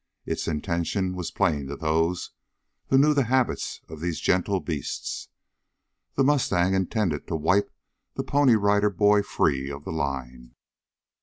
Its intention was plain to those who knew the habits of these gentle beasts. The mustang intended to "wipe" the Pony Rider boy free of the line.